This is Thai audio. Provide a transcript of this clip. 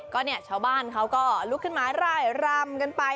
ก็เนี่ยชาวบ้านเขาก็ลุกขึ้นมาร่ายรำกันไป